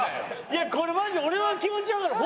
いやこれマジで俺は気持ちわかる。